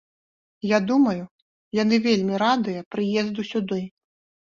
Я думаю, яны вельмі радыя прыезду сюды.